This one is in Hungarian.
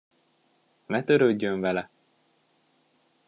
Ne törődjön vele!